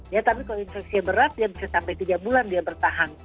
ya tapi kalau infeksinya berat ya bisa sampai tiga bulan dia bertahan